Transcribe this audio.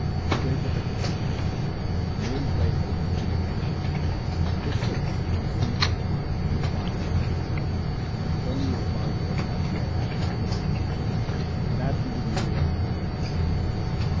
With great difficulty he escaped, and made his way home streaming with blood. The Sikhs on seeing his plight inquired what had occurred. His only reply was that he had had enough of the Guru's service, and that he would leave it and return to his home.